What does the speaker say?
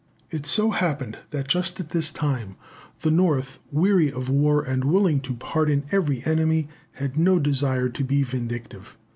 It so happened that, just at this time, the North, weary of war and willing to pardon every enemy, had no desire to be vindictive.